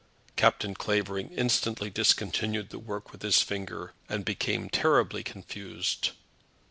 Captain Clavering instantly discontinued the work with his finger, and became terribly confused.